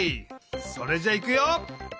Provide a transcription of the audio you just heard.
それじゃいくよ。